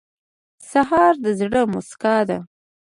سهار د زړه موسکا ده.